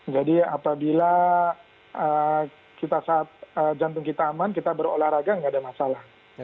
jadi apabila jantung kita aman kita berolahraga tidak ada masalah